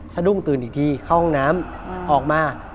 สะดุ้งตื่นอีกทีเข้าห้องน้ำออกมา